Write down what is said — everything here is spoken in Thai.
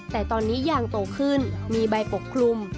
แต่ตอนนี้ยางโตขึ้นมีใบปกคลุม